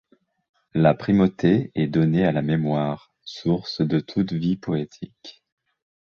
La primauté est donnée à la mémoire, source de toute vie poétique.